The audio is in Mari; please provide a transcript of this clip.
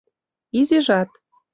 Изижат